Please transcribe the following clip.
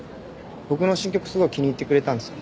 僕の新曲すごい気に入ってくれたんですよね。